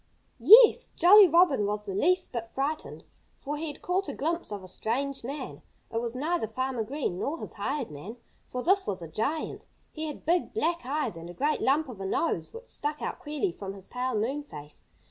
Yes! Jolly Robin was the least bit frightened. For he had caught a glimpse of a strange man. It was neither Farmer Green nor his hired man, for this was a giant. He had big, black eyes and a great lump of a nose, which stuck out queerly from his pale moon face.